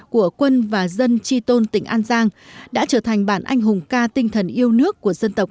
của quân và dân tri tôn tỉnh an giang đã trở thành bản anh hùng ca tinh thần yêu nước của dân tộc